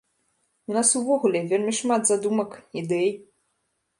У нас увогуле вельмі шмат задумак, ідэй.